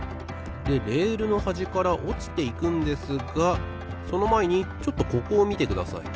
でレールのはじからおちていくんですがそのまえにちょっとここをみてください。